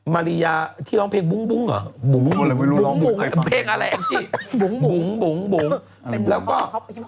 มารียาที่ร้องเพลี่ยงปุ๊วอ่ะบุ้งเพลงอะไรเอ่ยจี๊